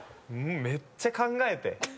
めっちゃ考えて。